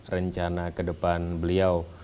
rencana kedepan beliau